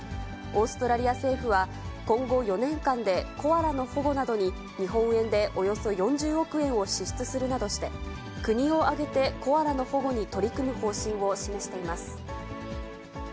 オーストラリア政府は、今後４年間で、コアラの保護などに日本円でおよそ４０億円を支出するなどして、国を挙げてコアラの保護に取り組む方針を示しています。